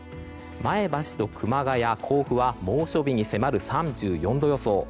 前橋と熊谷、甲府は猛暑日に迫る３４度予想。